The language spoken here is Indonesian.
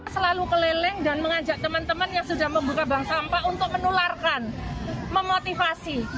selalu keliling dan mengajak teman teman yang sudah membuka bank sampah untuk menularkan memotivasi